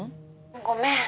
「ごめん」